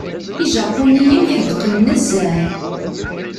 Ijapuniyen ḥedqen nezzeh.